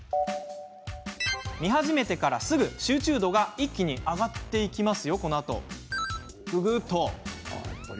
見始めてからすぐ、集中度が一気に上がっていっていきますよ。